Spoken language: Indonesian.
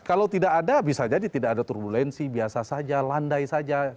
kalau tidak ada bisa jadi tidak ada turbulensi biasa saja landai saja